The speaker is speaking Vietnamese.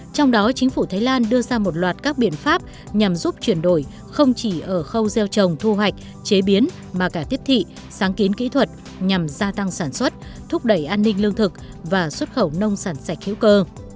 trong đó chính phủ thái lan đưa ra một loạt các biện pháp nhằm giúp chuyển đổi không chỉ ở khâu gieo trồng thu hoạch chế biến mà cả tiếp thị sáng kiến kỹ thuật nhằm gia tăng sản xuất thúc đẩy an ninh lương thực và xuất khẩu nông sản sạch hữu cơ